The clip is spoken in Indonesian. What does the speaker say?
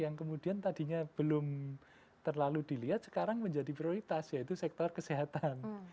yang kemudian tadinya belum terlalu dilihat sekarang menjadi prioritas yaitu sektor kesehatan